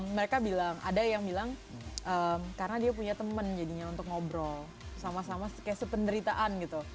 mereka bilang ada yang bilang karena dia punya teman jadinya untuk ngobrol sama sama kayak sependeritaan gitu